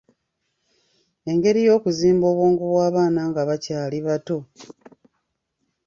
Engeri y’okuzimba obwongo bw'abaana nga bakyali bato.